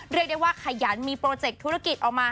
เรียกได้ว่าขยันมีโปรเจกต์ธุรกิจออกมา